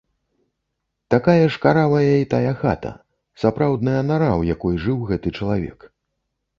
Такая ж каравая і тая хата, сапраўдная нара, у якой жыў гэты чалавек.